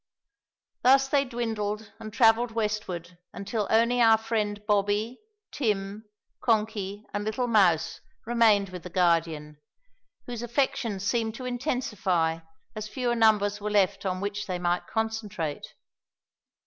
Thus they dwindled and travelled westward until only our friend Bobby, Tim, Konky, and little Mouse remained with the Guardian, whose affections seemed to intensify as fewer numbers were left on which they might concentrate.